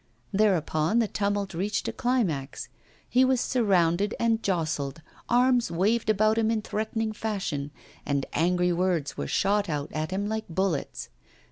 Thereupon the tumult reached a climax. He was surrounded and jostled, arms waved about him in threatening fashion, and angry words were shot out at him like bullets.